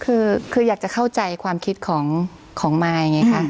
คืออยากจะเข้าใจความคิดของมายไงค่ะ